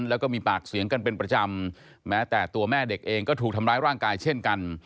แล้วก็มีปากเสียงกันเป็นประจำแม้แต่ตัวแม่เด็กเองก็ถูกทำร้ายร่างกายเช่นกัน